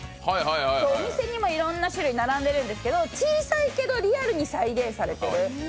お店にもいろんな種類並んでるんですけど小さいけどリアルに再現されてる。